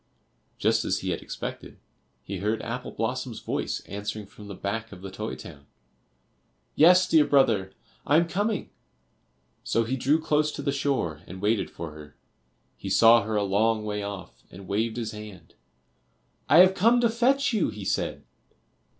Just as he had expected, he heard Apple blossom's voice answering from the back of the toy town "Yes, dear brother, I am coming." So he drew close to the shore, and waited for her. He saw her a long way off, and waved his hand. "I have come to fetch you," he said.